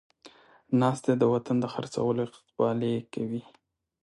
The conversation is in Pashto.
ناست دی د وطن د خر څولو اقبالې کوي